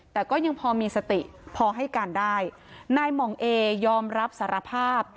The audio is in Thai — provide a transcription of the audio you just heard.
แต่ก็ยังพอมีสติพอให้การได้นายหม่องเอยอมรับสารภาพ